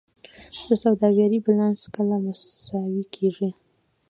د سوداګرۍ بیلانس کله مساوي کیږي؟